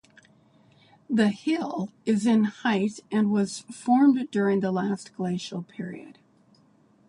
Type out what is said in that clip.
The hill is in height and was formed during the last glacial period.